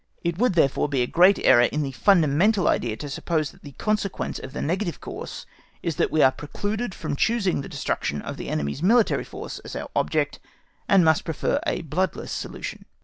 It would therefore be a great error in the fundamental idea to suppose that the consequence of the negative course is that we are precluded from choosing the destruction of the enemy's military force as our object, and must prefer a bloodless solution.